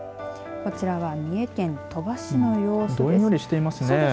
こちらは三重県鳥羽市の様子です。